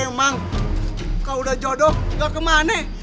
emang ka udah jodoh gak kemanyih